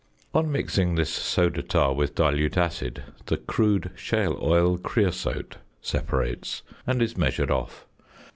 On mixing this soda tar with dilute acid, the "crude shale oil creosote" separates, and is measured off.